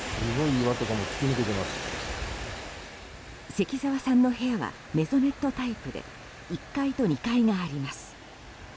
関澤さんの部屋はメゾネットタイプで１階と２階があります。